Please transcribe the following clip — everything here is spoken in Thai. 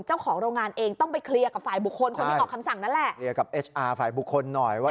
เจ้าของโรงงานเองต้องไปเคลียร์กับฝ่ายบุคคล